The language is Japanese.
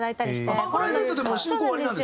プライベートでも親交おありなんですか。